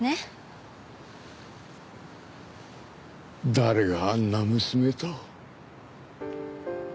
誰があんな娘と。